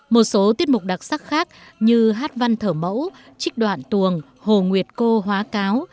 một số tiết mục đặc sắc khác như hát văn thở mẫu trích đoạn tuồng hồ nguyệt cô hóa cáo